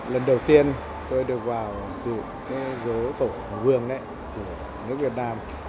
lần đầu tiên tôi được vào dự cái rỗ tổ hùng vương đấy của nước việt nam